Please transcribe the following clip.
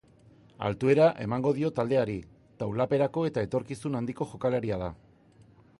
Altuera emango dio taldeari taulaperako eta etorkizun handiko jokalaria da.